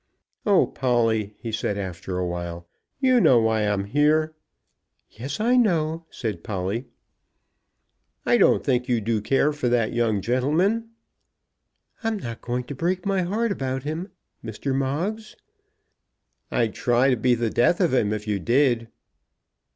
"Oh, Polly," he said, after a while, "you know why I'm here." "Yes; I know," said Polly. "I don't think you do care for that young gentleman." "I'm not going to break my heart about him, Mr. Moggs." "I'd try to be the death of him, if you did."